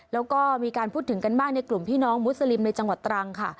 แล้วก็มีการพูดถึงกันมากในกลุ่มพี่น้องมุสลิมในจังหวัดตรังค่ะ